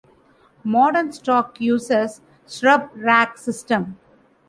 Modern stock uses Strub rack system.